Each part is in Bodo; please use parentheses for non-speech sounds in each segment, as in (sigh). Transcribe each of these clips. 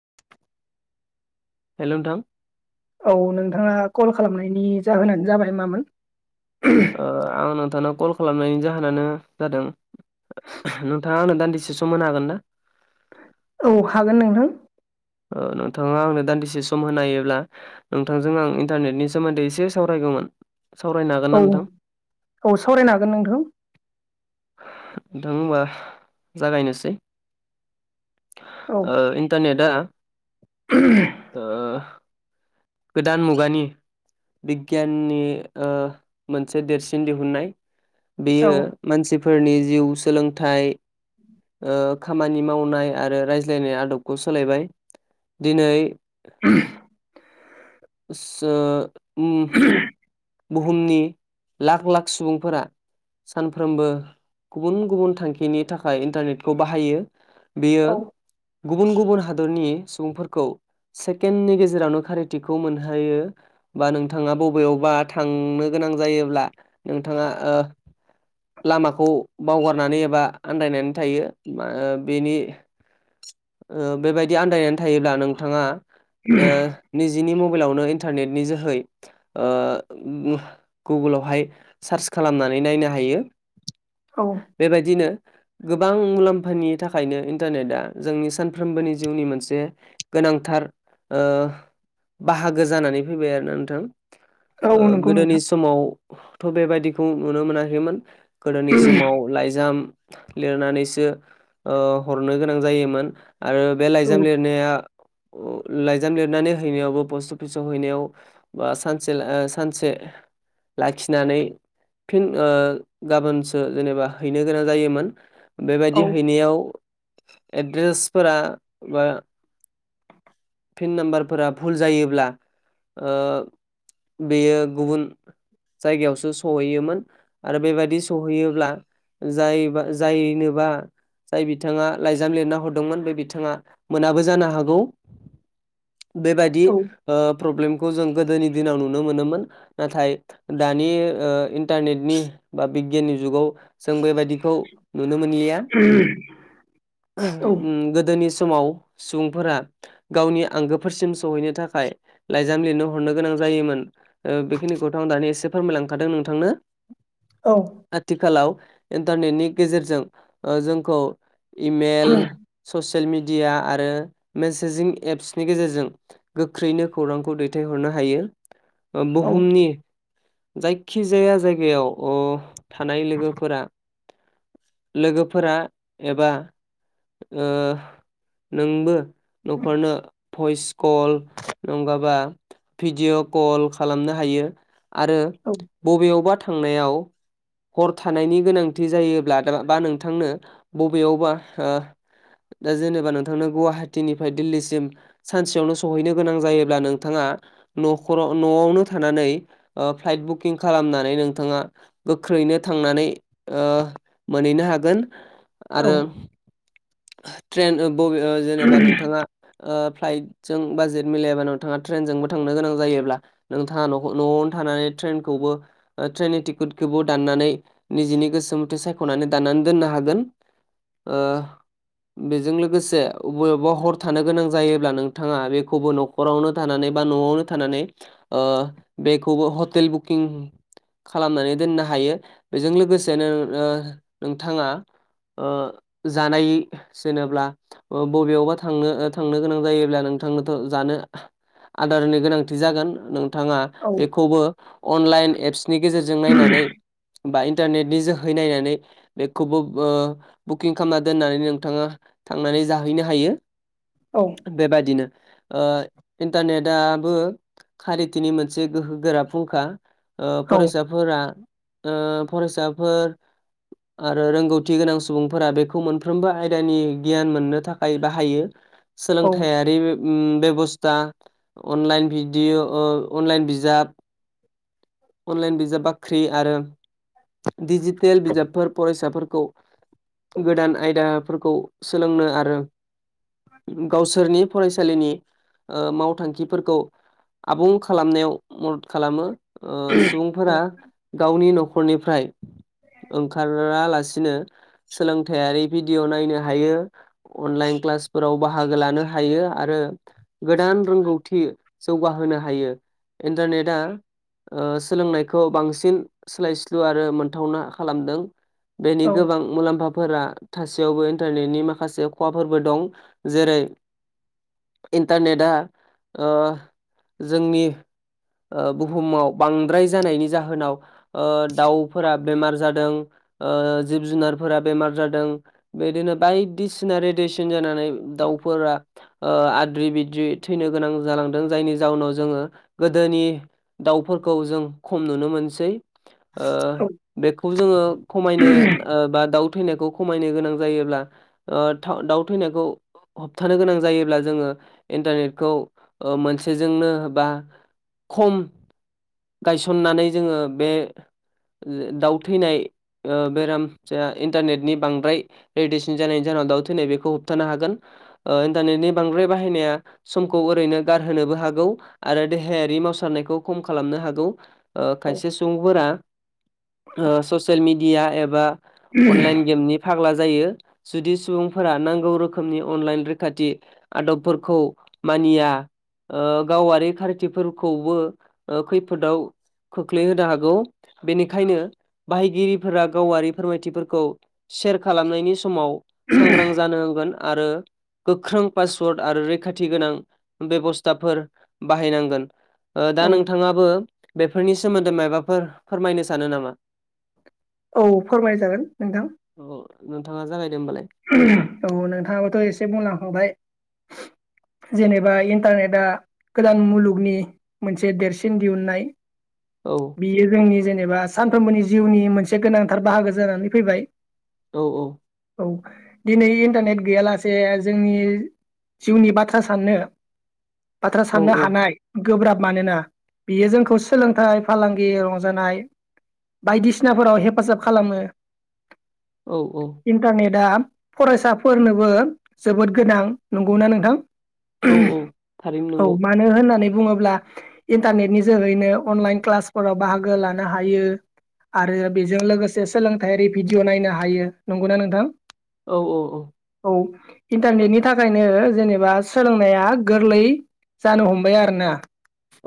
(inaudible) हेल' नोंथां? औ नोंथाङा कल खालामनायनि जाहोनानो जाबाय मामोन? ओ आं नोंथांनाव कल खालामनायनि जाहोनानो जादों नोंथाङा आंनो दान्दिसे सम मोनो हागोन ना? औ हागोन नोंथां। ओ नोंथाङा आंनो दान्दिसे सम होनायोब्ला नोंथांजों आं इन्टारनेटनि सोमोन्दै एसे सावरायगौमोन। सावरायनो हागोन औ ना नोंथां औ सावरायनो हागोन नोंथां। नोंथां होमबा जागायनोसै। औ ओ इन्टारनेटआ (unintelligible) ओ गोदान मुगानि बिगियाननि ओ मोनसे देरसिन दिहुननाय बेयो औ मानसिफोरनि जिउ सोलोंथाइ ओ खामानि मावनाय आरो रायज्लायनाय आदबखौ सोलायबाय दिनै (unintelligible) (unintelligible) बुहुमनि लाख लाख सुबुंफोरा सानफ्रोमबो गुबुन गुबुन थांखिनि थाखाय इन्टारनेटखौ बाहायो। बेयो औ गुबुन गुबुन हादरनि सुबुंफोरखौ सेकेननि गेजेरावनो खारिथिखौ मोनहायो बा नोंथाङा बबेयावबा थांनो गोनां जायोब्ला नोंथाङा ओ लामाखौ बावगारनानै एबा आन्दायनानै थायो (unintelligible) बेनि ओ बेबायदि आन्दायनानै थायोब्ला नोंथाङा ओ निजिनि मबाइलावनो इन्टारनेटनि जोहै ओ (unintelligible) गुगोलावहाय सार्स खालामनानै नायनो हायो। औ। बेबायदिनो गोबां मुलाम्फानि थाखायनो इन्टारनेटआ जोंनि सानफ्रोमबोनि जिउनि मोनसे गोनांथार ओ बाहागो जानानै फैबाय आरोना नोंथां। औ ओ नंगौ गोदोनि नोंथां समावथ' बेबायदिखौ नुनो मोनाखैमोन गोदोनि समाव लाइजाम लिरनानैसो ओ हरनो गोनां जायो मोन आरो बे औ लाइजाम लिरनाया (unintelligible) लाइजाम लिरनानै हैनायावबो पस्ट अफिसाव हैनायाव बा सानसे (unintelligible) ओ सानसे लाखिनानै फिन ओ गाबोनसो जेनेबा हैनो गोनां जायोमोन औ बेबायदि हैनायाव एड्रेसफोरा बा फिन नाम्बारफोरा भुल जायोब्ला ओ बेयो गुबुन जायगायावसो सहैयोमोन आरो बेबायदि सहैयोब्ला जायोबा जायनोबा जाय बिथाङा लाइज जाम लिरना हरदोंमोन बे बिथाङा मोनाबो जानो हागौ बेबायदि औ ओ प्रब्लेमखौ जों गोदोनि दिनाव नुनो मोनोमोन। नाथाय दानि ओ इन्टारनेटनि बा बिगियाननि जुगाव जों बेबायदिखौ नुनो मोनलिया (inaudible) औ गोदोनि समाव सुबुंफोरा गावनि आंगोफोरसिम सहैनो थाखाय लाइजाम लिरनो हरनो गोनां जायोमोन। ओ बेखिनिखौथ' आं दानि एसे फोरमायलांखादों नोंथांनो। औ आथिखालाव इन्टारनेटनि गेजेरजों ओ जोंखौ इमेल ससियेल मिडिया आरो मेसेजिं एप्सनि गेजेरजों गोख्रैनो खौरांखौ दैथायहरनो हायो बुहुमनि जायखिजाया जायगायाव अ' थानाय लोगोफोरा लोगोफोरा एबा ओ नोंबो न'खरनो भइस कल नंगाबा भिडिअ' कल खालामनो हायो आरो बबेयावबा थांनायाव हर थानायनि गोनांथि जायोब्ला बा नोंथांनो बबेयावबा ओ दा जेनेबा नोंथांनो गुवाहाटिनिफ्राय दिल्लीसिम सानसेयावनो सहैनो गोनां जायोब्ला नोंथाङा न'खराव न'आवनो थानानै ओ फ्लाइट बुकिं खालामनानै नोंथाङा गोख्रैनो थांनानै ओ मोनहैनो हागोन औ आरो ट्रेन ओ बबे ओ जेनेबा नोंथाङा ओ फ्लाइटजों बाजेट मिलायाबा नोंथाङा ट्रेनजोंबो थांनो गोनां जायोब्ला नोंथाङा न' न'आवनो थानानै ट्रेनखौबो ट्रेननि टिकेटखौबो दाननानै निजेनि गोसो मथे सायख'नानै दाननानै दोननो हागोन। ओ बेजों लोगोसे अबेयावबा हर थानो गोनां जायोब्ला नोंथाङा बेखौबो न'ख खरावनो थानानै बा न'आवनो थानानै ओ बेखौबो हटेल बुकिं खालामनानै दोननो हायो बेजों लोगोसेनो ओ नोंथाङा ओ जानाय जेनेब्ला बबेयावबा थांनो थांनो गोनां जायोब्ला नोंथांनोथ' जानो आदारनि गोनांथि जागोन नों थाङा औ बेखौबो अनलाइन एप्सनि गेजेरजों नायनानै बा इन्टारनेटनि जोहै नायनानै बेखौबो ओ बुकिं खामना दोननानै नों थाङा थांनानै जाहैनो हायो। औ बेबायदिनो इन्टारनेटाबो खारिथिनि मोनसे गोहो गोरा फुंखा फरायसा फोरा फरायसाफोर आरो रोंगौथि गोनां सुबुंफोरा बेखौ मोनफ्रोमबो आय दानि गियान मोननो थाखाय बाहायो सोलोंथायारि बेब'स्था अनलाइन भिडिअ अनलाइन बिजाब अनलाइन बिजाब बाख्रि आरो डिजिटेल बिजाबफोर फरायसाफोरखौ गोदान आयदाफोरखौ सोलोंनो आरो गावसोरनि फरायसालिनि मावथांखि फोरखौ आबुं खालामनायाव मदद खालामो। सुबुंफोरा गावनि न'खरनिफ्राय ओंखारालासिनो सोलोंथायारि भिडिअ नायनो हायो अनलाइन क्लासफोराव बाहागो लानो हायो आरो गोदान रोंगौथि जौगाहोनो हायो इन्टारनेटआ सोलोंनायखौ बांसिन सोलाय स्लु आरो मोनथावना खालामदों बेनि गोबां मुलाम्फाफोरा थासेयावबो इन्टारनेटनि माखासे खहाफोरबो दं जेरै इन्टारनेटआ जोंनि बुहुमाव बांद्राय जानायनि जाहोनाव दाउफोरा बेमार जादों जिब जुनारफोरा बेमार जादों बेदिनो बायदिसिना रेडियेसन जानानै दाउफोरा आद्रि बिद्रि थैनो गोनां जालांदों जायनि जाउनाव जोङो गोदोनि दाउफोरखौ जों खम नुनो मोनसै बेखौ जोङो खमायनो बा दाउ थैनायखौ खमायनो गोनां जायोब्ला दाउ थैनायखौ होबथानो गोनां जायोब्ला जोङो इन्टारनेटखौ मोनसेजोंनो बा खम गायसननानै जोङो बे दाउ थैनाय बेराम जाया इन्टारनेटनि बांद्राय रेडियेसन जानायनि जाहोनाव दाउ थैनाय बेखौ होबथानो हागोन इन्टारनेटनि बांद्राय बाहायनाया समखौ ओरैनो गारहोनोबो हागौ आरो देहायारि मावसारनायखौ खम खालामनो हागौ खायसे सुबुंफोरा ससियेल मिडिया एबा अनलाइन गेमनि फाग्ला जायो जुदि सुबुंफोरा नांगौ रोखोमनि अनलाइन रैखाथि आदबफोरखौ मानिया गावारि खारथिफोरखौबो खैफोदाव खोख्लैहोनो हागौ बेनिखायनो बाहायगिरिफोरा गावारि फोरमायथिफोरखौ सेयार खालामनायनि समाव सांग्रां जानांगोन आरो गोख्रों पासवर्ड आरो रैखाथि गोनां बेब'स्थाफोर बाहायनांगोन दा नोंथाङाबो बेफोरनि सोमोन्दै माबाफोर फोरमायनो सानो नामा? औ फोरमाय जागोन नोंथां। औ नोंथाङा जागायदो होमबालाय औ नोंथाङाबोथ' एसे बुंलांखाबाय जेनेबा इन्टारनेटआ गोदान मुलुगनि मोनसे देरसिन दिहुननाय औ बियो जोंनि जेनेबा सानफ्रोमबोनि जिउनि मोनसे गोनांथार बाहागो जानानै फैबाय औ औ औ दिनै इन्टारनेट गैयालासे जोंनि जिउनि बाथ्रा साननो बाथ्रा औ साननो हानाय गोब्राब मानोना बियो जोंखौ सोलोंथाइ फालांगि रंजानाय बायदिसिनाफोराव हेफाजाब खालामो औ औ। इन्टारनेटआ फरायसाफोरनोबो जोबोद गोनां नंगौना नोंथां औ औ थारैनो औ नंगौ मानो होननानै बुङोब्ला। इन्टारनेटनि जोहैनो अनलाइन क्लासफोराव बाहागो लानो हायो। आरो बेजों लोगोसे सोलोंथायारि भिडिअ' नायनो हायो। नंगौना नोंथां? औ औ औ। औ इन्टारनेटनि थाखायनो जेनेबा सोलोंनाया गोरलै जानो हमबाय आरो ना।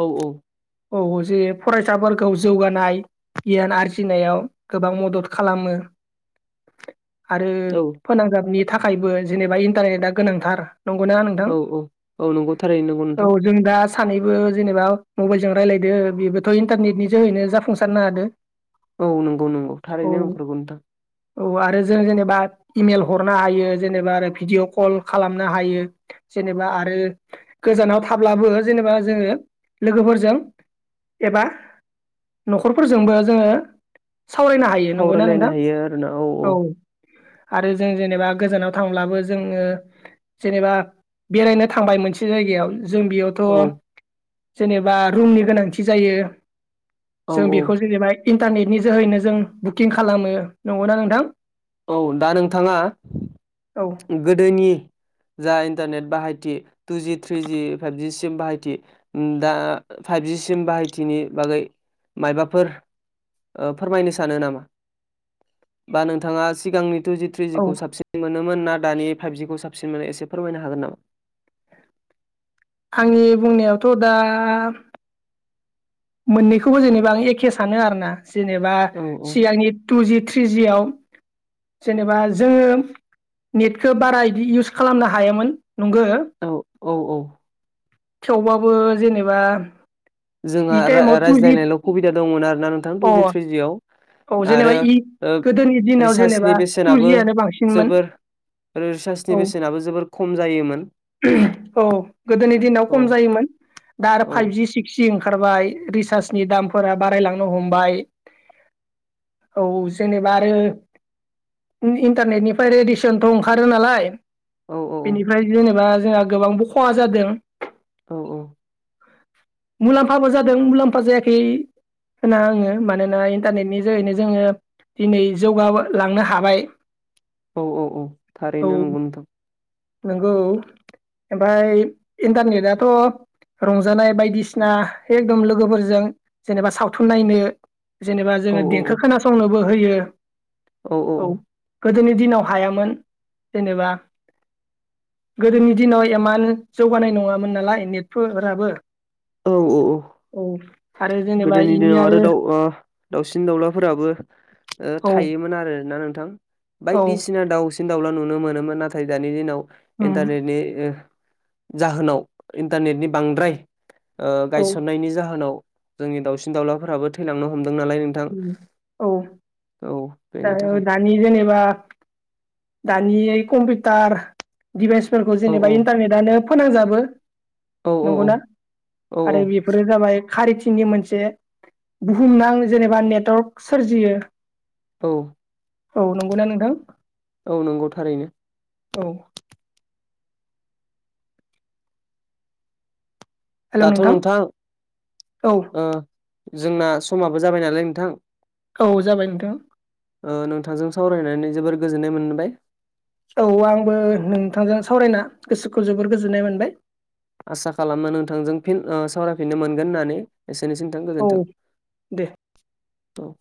औ औ। औ औ जे फरायसाफोलखौ जौगानाय गियान आरजिनायाव गोबां मदद खालामो आरो औ फोनांजाबनि थाखायबो जेनेबा इन्टारेटा गोनांथार। नंगौना नोंथां? औ औ औ नंगौ थारैनो नंगौ औ नोंथां जों दा सानैबो जेनेबा मबाइलजों रायलायदो बेबोथ' इन्टारनेट नि जोहैनो जाफुंसारनो हादो। औ नोंगौ नोंगौ औ थारैनो नंथारगौ नोंथां। औ आरो जों जेनेबा इमेल हरनो हायो जेनेबा आरो भिडिअ कल खालामनो हायो जेनेबा आरो गोजानाव थाब्लाबो जेनेबा जोङो लोगोफोरजों एबा न'खरफोरजोंबो जोङो सावरायनो हायो। ए नंगौना सावरायलायनो नोंथां? हायो आरोना औ। आरो जों जेनेबा गोजानाव थांब्लाबो जोङो जेनेबा बेरायनो थांबाय मोनसे जायगायाव जों बेयाव थ' औ जेनेबा रुमनि गोनांथि जायो औ जों बेखौ औ जानेबाय इन्टारनेटनि जोहैनो जों बुकिं खालामो। नंगौना नोंथां? औ दा नोंथाङा औ। गोदोनि जा इन्टारनेट बाहायथि टुजि थ्रिजि फाइभजि सिम बाहायथि दा फाइभजि सिम बाहायथिनि बागै मायबाफोर ओ फोरमायनो सानो नामा? बा नोंथाङा सिगांनि टुजि औ थ्रिजिखौ साबसिन मोनोमोन ना दानि फाइभजिखौ साबसिन मोनो एसे फोरमायनो हागोन नामा? आंनि बुंनायावथ' दा मोननैखौबो जेनेबा आं एखे सानो आरोना जेनेबा औ औ सिगांनि टुजि थ्रिजिआव जेनेबा जोङो नेटखो बारा इदि इउस खालामनो हायामोन नंगो। अ औ औ। थेवबाबो जेनेबा जोंहा बि टाइमाव टुजि रा-रायज्लायनायल' खुबिदा दंमोन आरोना नोंथां अ टुजि औ थ्रिजिआव। जेनेबा आरो इ ओ गोदोनि दिनाव जेनेबा रिसासनि बेसेनाबो टुजियानो बांसिनमोन जोबोर रो रिसासनि औ बेसेनाबो जोबोर खम जायोमोन। औ गोदोनि दिनाव औ खम जायोमोन दा आरो औ फाइभ जि सि सि ओंखारबाय रिसासनि दामफोरा बारायलांनो हमबाय। औ जेनेबा आरो उम इन्टारनेटनिफ्राय रेडिसन थ' ओंखारो नालाय औ औ बेनिफ्राय जेनेबा जोंहा गोबांबो खहा जादों। औ औ। मुलाम्फाबो जादों मुलाम्फा जायाखै होना आङो मानोना इन्टारनेटनि जोहैनो जोङो दिनै जौगाबो लांनो हाबाय। औ औ औ औ थारैनो नंगौ नोंथां। नंगौ ओमफाय इन्टारनेटाथ' रंजानाय बायदिसिना एकदम लोगोफोरजों जेनेबा सावथुन नायनो जेनेबा औ जोङो औ देंखो खोनासंनोबो होयो औ। गोदोनि दिनाव हायामोन जेनेबा गोदोनि दिनाव एमान जौगानाय नङामोन नालाय नेटफोर राबो औ औ औ। आरो जेनेबा गोदोनि इनि दिनाव आरो दाउ आ दाउसिन दाउलाफोराबो ओ औ थायोमोन आरोना नोंथां। औ बायदिसिना दाउसिन दाउला नुनो मोनोमोन नाथाय दानि दिनाव उम इन्टारनेटनि जाहोनाव इन्टारनेटनि बांद्राय ओ औ गायसननायनि जाहोनाव जोंनि दाउसिन दाउलाफोराबो थैलांनो हमदों नालाय नों थां उम औ औ दा बेनि थाखाय दानि जेनेबा दानि कम्पिउटार दिभाइजफोरखौ औ जेनेबा इन्टारनेटनो फोनांजाबो औ नंगौ औ ना? औ औ आरो बेफोरो जाबाय खारिथिंनि मोनसे बुहुमनां जेनेबा नेटवर्क सोरजियो। औ। औ नंगौना नोंथां? औ नंगौ थारैनो। औ। दाथ' नोंथां औ ओ जोंना समाबो जाबाय नालाय नोंथां। औ जाबाय नोंथां। ओ नोंथांजों सावरायनानै जोबोर गोजोननाय मोनबाय। औ आंबो नोंथांजों सावरायना गोसोखौ जोबोर गोजोननाय मोनबाय। आसा खालामो नोंथांजों फिन ओ सावरायफिननो मोनगोन होननानै। एसेनोसै नोंथां औ गोजोन्थों। दे औ।